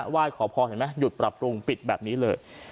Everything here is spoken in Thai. ไหว้ขอพรเห็นไหมหยุดปรับปรุงปิดแบบนี้เลย